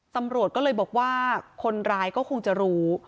สำรวจบอกว่าคนร้ายก็คงจะรู้